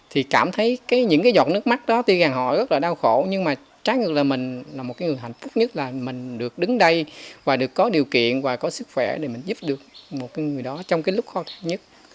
thì cảm thấy những cái giọt nước mắt đó tuy rằng họ rất là đau khổ nhưng mà trái ngược là mình là một cái người hạnh phúc nhất là mình được đứng đây và được có điều kiện và có sức khỏe để mình giúp được một người đó trong cái lúc khó khăn nhất